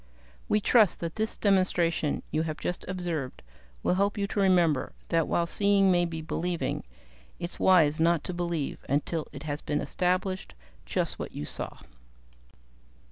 "We trust that this demonstration you have just observed will help you to remember that while seeing may be believing, it's wise not to believe until it has been established just what you saw."